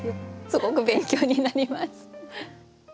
すごく勉強になります。